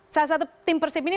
salah satu tim persib ini